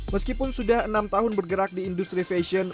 meskipun sudah enam tahun bergerak di industri fashion